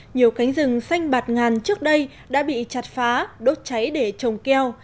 nhiều cánh rừng xanh bạt ngàn trước đây đã bị chặt phá đốt cháy để trồng keo